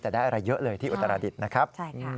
แต่ได้อะไรเยอะเลยที่อุตรดิษฐ์นะครับ